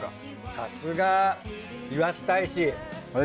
さすがいわし大使。